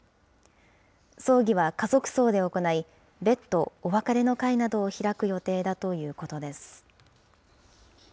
葬儀は家族葬で行い、別途、お別れの会などを開く予定だということです。